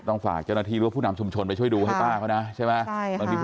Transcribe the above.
ฝากเจ้าหน้าที่หรือว่าผู้นำชุมชนไปช่วยดูให้ป้าเขานะใช่ไหม